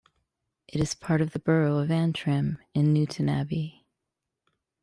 It is part of the Borough of Antrim and Newtownabbey.